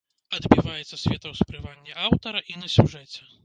Адбіваецца светаўспрыманне аўтара і на сюжэце.